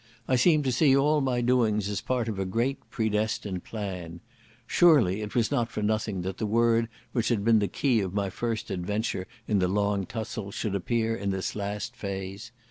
I seemed to see all my doings as part of a great predestined plan. Surely it was not for nothing that the word which had been the key of my first adventure in the long tussle should appear in this last phase.